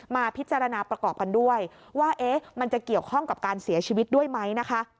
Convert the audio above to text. มาพิจารณาประกอบกันด้วยว่ามันจะเกี่ยวข้องกับการเสียชีวิตด้วยไหมนะคะ